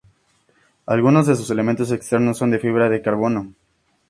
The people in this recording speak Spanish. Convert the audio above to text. Algunos de sus elementos externos son de fibra de carbono.